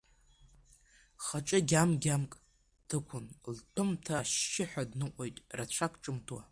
Хаҿы гьамгьамк, дықәын лҭәымҭа, ашьшьыҳәа дныҟәоит, рацәак ҿымҭуа.